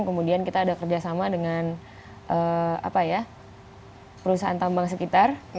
kemudian kita ada kerjasama dengan perusahaan tambang sekitar